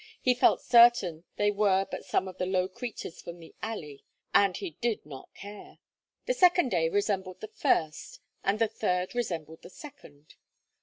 He felt certain they were but some of the low creatures from the alley, and be did not care. The second day resembled the first, and the third resembled the second.